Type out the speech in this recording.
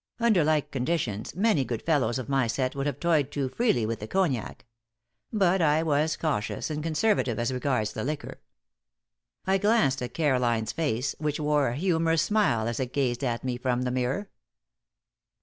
Under like conditions, many good fellows of my set would have toyed too freely with the cognac. But I was cautious and conservative as regards the liquor. I glanced at Caroline's face, which wore a humorous smile as it gazed at me from the mirror.